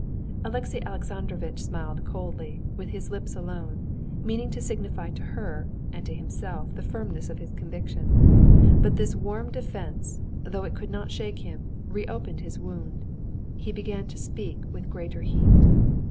Alexey Alexandrovitch smiled coldly, with his lips alone, meaning to signify to her and to himself the firmness of his conviction; but this warm defense, though it could not shake him, reopened his wound. He began to speak with greater heat.